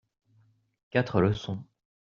Quatre leçons.